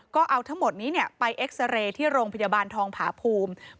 ก็เอาทั้งหมดนี้ไปเอ็กซาเรย์ที่โรงพยาบาลทองผาภูมิ